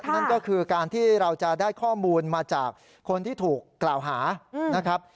นั่นก็คือการที่เราจะได้ข้อมูลมาจากคนที่ถูกกล่าวหานะครับ